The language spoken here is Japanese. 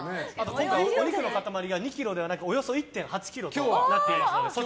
今回お肉の塊が２ｋｇではなくておよそ１．８ｋｇです。